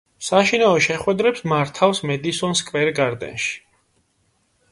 საშინაო შეხვედრებს მართავს მედისონ სკვერ გარდენში.